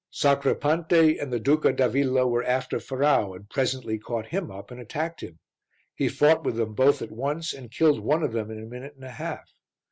Sacripante and the Duca d'Avilla were after Ferrau and presently caught him up and attacked him. He fought with them both at once and killed one of them in a minute and a half.